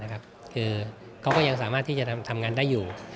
คือเขาก็ยังสามารถที่จะทำงานได้อยู่